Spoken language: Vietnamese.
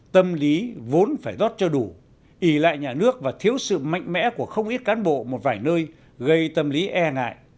tâm lý vốn phải rót cho đủ ý lại nhà nước và thiếu sự mạnh mẽ của không ít cán bộ một vài nơi gây tâm lý e ngại